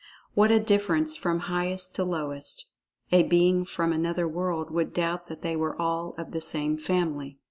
What a difference from highest to lowest—a being from another world would doubt that they were all of the same family.